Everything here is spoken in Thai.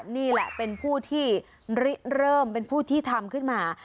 นี่แหละเป็นผู้ที่ริเริ่มเป็นผู้ที่ทำขึ้นมา